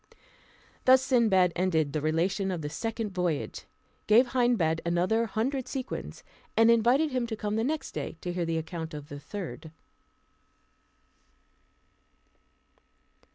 Thus Sindbad ended the relation of the second voyage, gave Hindbad another hundred sequins, and invited him to come the next day to hear the account of the third.